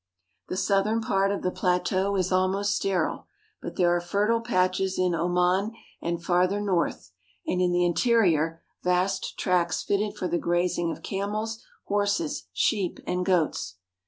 The southern part of the pla teau is almost sterile, but there are fertile patches in Oman and farther north, and in the interior vast tracts fitted for the grazing of camels, horses, sheep, and goats.